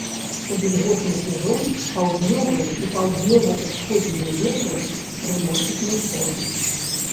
У вільготны сезон паўднёвыя і паўднёва-ўсходнія ветры прыносяць мусон.